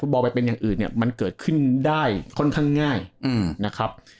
บอลไปเป็นอย่างอื่นเนี่ยมันเกิดขึ้นได้ค่อนข้างง่ายนะครับ